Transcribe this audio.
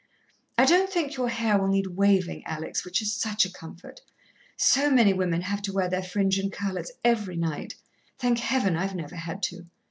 "I don't think your hair will need waving, Alex, which is such a comfort. So many women have to wear their fringe in curlers every night thank Heaven, I've never had to.